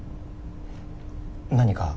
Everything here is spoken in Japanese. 何か？